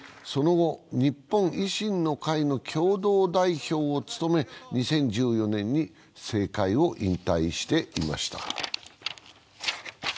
その後、日本維新の会の共同代表を務め、２０１４年に政界を引退していました。